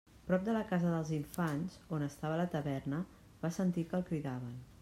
Prop de la casa dels Infants, on estava la taverna, va sentir que el cridaven.